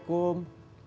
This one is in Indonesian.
satu tahun namun